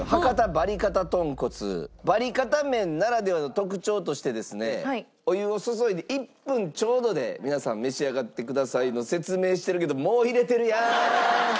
バリカタ麺ならではの特徴としてですねお湯を注いで１分ちょうどで皆さん召し上がってくださいの説明してるけど。